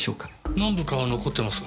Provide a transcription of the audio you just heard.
何部か残ってますが。